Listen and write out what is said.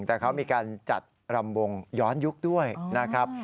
แต่เขามีการจัดรำวงย้อนยุคด้วยนะครับ